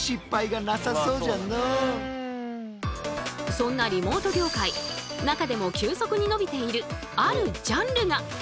そんなリモート業界中でも急速に伸びているあるジャンルが。